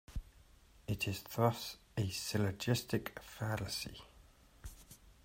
It is thus a syllogistic fallacy.